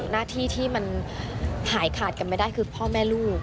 หน้าที่ที่มันหายขาดกันไม่ได้คือพ่อแม่ลูก